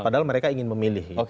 padahal mereka ingin memilih